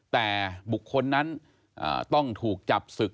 แต่บุคคลนั้นต้องถูกจับศึก